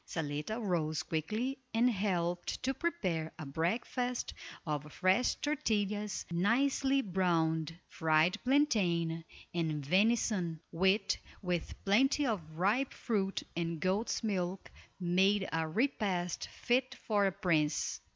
Zaletta rose quickly and helped to prepare a breakfast of fresh tortillas nicely browned, fried plantain, and venison, which, with plenty of ripe fruit and goat's milk, made a repast fit for a prince.